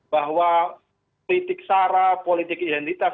bahwa politik sara politik identitas